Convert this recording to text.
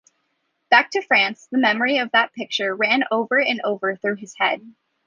Back to France, the memory of that picture ran over and over through his head.